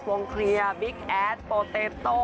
วงเคลียร์บิ๊กแอดโปเตโต้